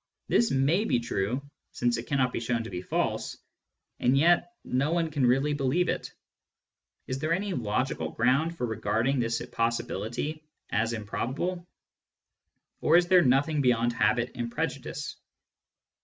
This may be true, since it cannot be shown to be false, yet no one can really believe it. Is there any logical ground for regarding this possibility as improbable } Or is there nothing beyond habit and prejudice